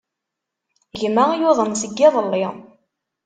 Gma yuḍen seg yiḍelli.